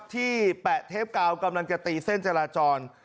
แปะเทปกาวกำลังจะตีเส้นจราจร